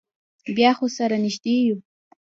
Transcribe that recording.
بیا خو سره نږدې یو.